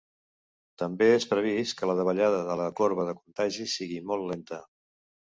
També és previst que la davallada de la corba de contagis sigui “molt lenta”.